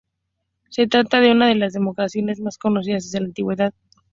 Se trata de una de las demostraciones más conocidas desde la antigüedad.